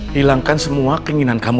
hilangkan semua keinginan kamu